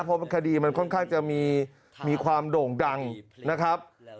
เพราะคดีมันค่อนข้างจะมีความโด่งดังนะครับ